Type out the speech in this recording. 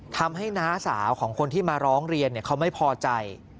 น้าสาวของคนที่มาร้องเรียนเขาไม่พอใจ